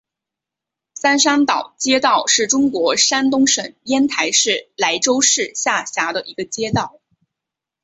三山岛街道是中国山东省烟台市莱州市下辖的一个街道。